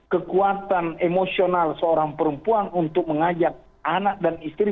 kekuatan emosional seorang perempuan untuk mengajak anak dan istri